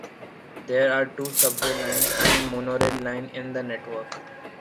There are two subway lines and a monorail line in the network.